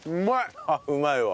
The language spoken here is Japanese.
うまいわ。